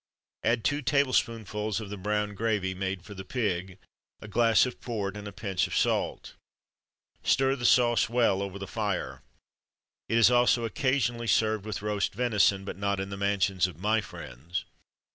Add two tablespoonfuls of the brown gravy made for the pig, a glass of port, and a pinch of salt. Stir the sauce well over the fire. It is also occasionally served with roast venison; but not in the mansions of my friends.